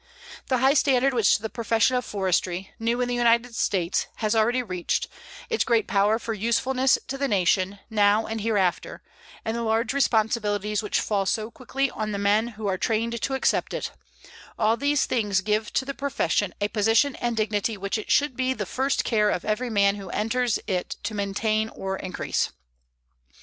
The high standard which the profession of forestry, new in the United States, has already reached, its great power for usefulness to the Nation, now and hereafter, and the large responsibilities which fall so quickly on the men who are trained to accept it all these things give to the profession a position and dignity which it should be the first care of every man who enters it to maintain or increase.